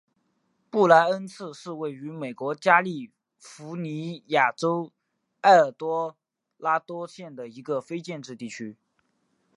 布赖恩茨是位于美国加利福尼亚州埃尔多拉多县的一个非建制地区。